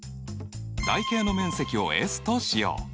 台形の面積をＳとしよう。